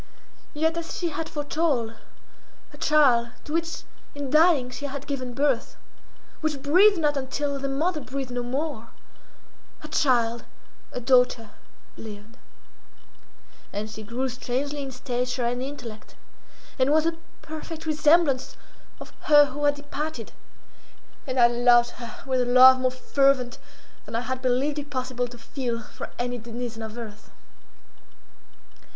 Yet, as she had foretold, her child, to which in dying she had given birth, which breathed not until the mother breathed no more, her child, a daughter, lived. And she grew strangely in stature and intellect, and was the perfect resemblance of her who had departed, and I loved her with a love more fervent than I had believed it possible to feel for any denizen of earth.